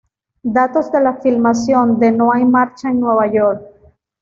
Datos de la filmación de "No hay marcha en Nueva York".